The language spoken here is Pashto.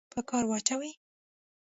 په کار واچوي.